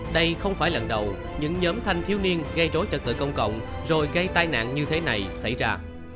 đây không phải lần đầu những nhóm thanh thiếu niên gây rối trật tự công cộng rồi gây tai nạn như thế này xảy ra